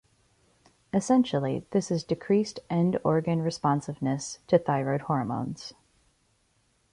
Essentially this is decreased end organ responsiveness to thyroid hormones.